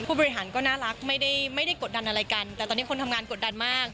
ผู้บริหารก็น่ารักไม่ได้ไม่ได้กดดันอะไรกันแต่ตอนนี้คนทำงานกดดันมาก